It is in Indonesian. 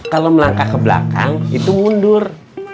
kalau melangkah ke belakang itu mundur